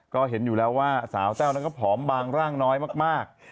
ก็เห็นอยู่แล้วว่าสาวแต้วนั้นก็ผอมบางร่างน้อยมาก